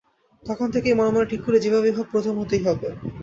তখন থেকেই মনে মনে ঠিক করি, যেভাবেই হোক প্রথম হতেই হবে।